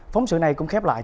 phóng sự này cũng khép lại